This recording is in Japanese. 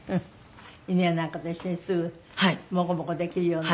犬やなんかと一緒に住むモコモコできるような。